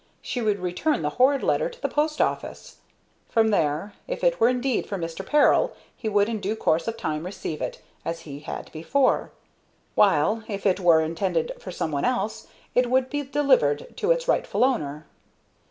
She would return the horrid letter to the post office. From there, if it were indeed for Mr. Peril, he would in due course of time receive it, as he had before; while, if it were intended for some one else, it would be delivered to its rightful owner.